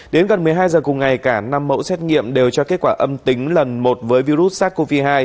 đến gần một mươi hai giờ cùng ngày cả năm mẫu xét nghiệm đều cho kết quả âm tính lần một với virus sars cov hai